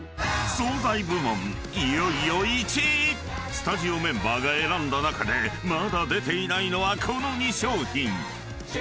［スタジオメンバーが選んだ中でまだ出ていないのはこの２商品］